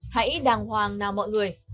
hãy đàng hoàng nào mọi người